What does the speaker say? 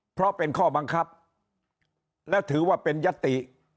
เพราะเป็นข้อบังคับและถือว่าเป็นยติ